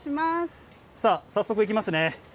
さあ、早速いきますね。